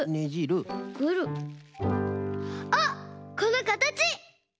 あっこのかたち！